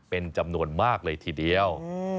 เป็นจำนวนมากเลยทีเดียว